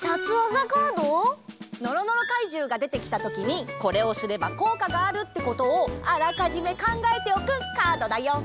のろのろかいじゅうがでてきたときにこれをすればこうかがあるってことをあらかじめ考えておくカードだよ。